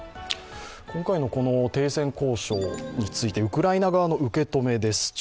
今回の停戦交渉についてウクライナ側の受け止めです。